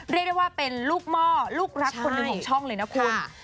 เรียกได้ว่าเป็นลูกหม้อลูกรักคนหนึ่งของช่องเลยนะคุณ